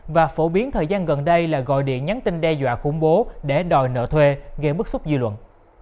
và phổ biến thời gian gần đây là gọi điện nhắn tin đe dọa khủng bố để đòi nợ thuê gây bức xúc dư luận